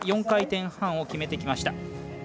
４回転半を決めてきました。